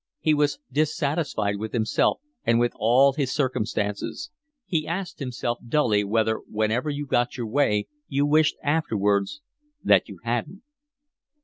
He was dissatisfied with himself and with all his circumstances. He asked himself dully whether whenever you got your way you wished afterwards that you hadn't.